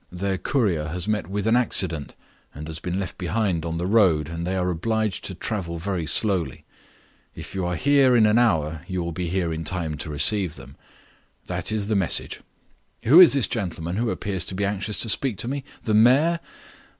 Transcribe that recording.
Their courier has met with an accident, and has been left behind on the road, and they are obliged to travel very slowly. If you are here in an hour, you will be here in time to receive them. That is the message. Who is this gentleman who appears to be anxious to speak to me? The mayor?